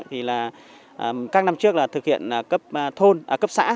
thì là các năm trước là thực hiện cấp thôn cấp xã